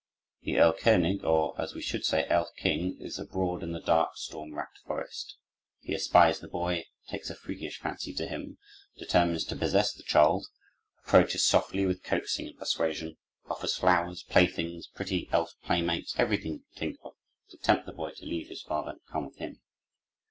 The "Erlkönig," or, as we should say, "Elf King," is abroad in the dark, storm racked forest. He espies the boy, takes a freakish fancy to him, determines to possess the child, approaches softly, with coaxing and persuasion, offers flowers, playthings, pretty elf playmates, everything he can think of, to tempt the boy to leave his father, and come with him.